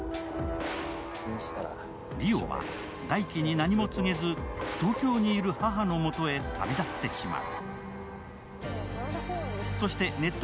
梨央は大輝に何も告げず、東京にいる母の元に旅立ってしまう。